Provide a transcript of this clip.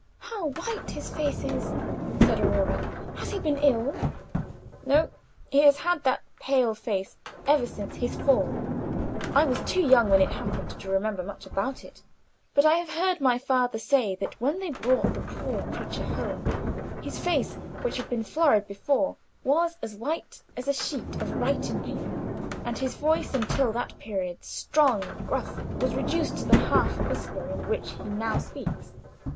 "How white his face is!" said Aurora. "Has he been ill?" "No. He has had that pale face ever since his fall. I was too young when it happened to remember much about it, but I have heard my father say that when they brought the poor creature home his face, which had been florid before, was as white as a sheet of writing paper, and his voice, until that period strong and gruff, was reduced to the half whisper in which he now speaks.